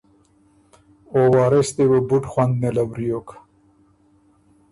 او وارث دې بُو بُډ خوَند نېله وریوک۔